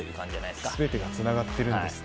すべてがつながっているんですね。